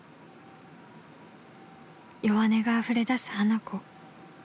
［弱音があふれだす花子］